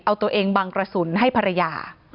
เอาตัวเองบังกระสุนให้ภรรยา